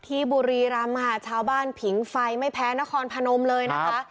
บุรีรำค่ะชาวบ้านผิงไฟไม่แพ้นครพนมเลยนะคะ